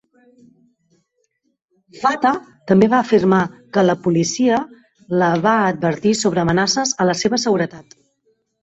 Fatah també va afirmar que la policia la va advertir sobre amenaces a la seva seguretat.